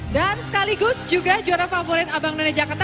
dan sekaligus juga juara favorit abang none jakarta